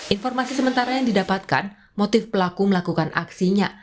informasi sementara yang didapatkan motif pelaku melakukan aksinya